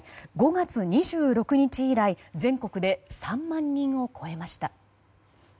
５月２６日以来全国で３万人を超えました。